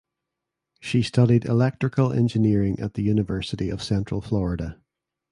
She studied electrical engineering at the University of Central Florida.